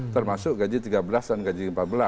termasuk gaji tiga belas dan gaji empat belas